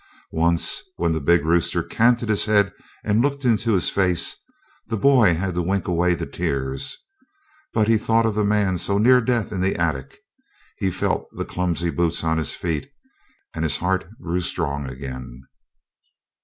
Once, when the big rooster canted his head and looked into his face, the boy had to wink away the tears; but he thought of the man so near death in the attic, he felt the clumsy boots on his feet, and his heart grew strong again.